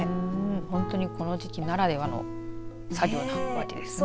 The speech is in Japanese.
本当に、この時期ならではの作業なわけですね。